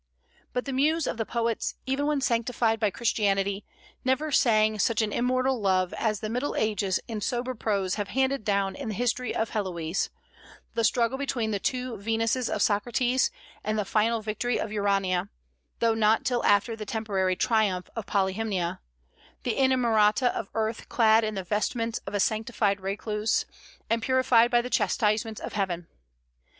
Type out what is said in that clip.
But the muse of the poets, even when sanctified by Christianity, never sang such an immortal love as the Middle Ages in sober prose have handed down in the history of Héloïse, the struggle between the two Venuses of Socrates, and the final victory of Urania, though not till after the temporary triumph of Polyhymnia, the inamorata of earth clad in the vestments of a sanctified recluse, and purified by the chastisements of Heaven.